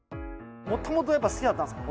もともと好きだったんですか？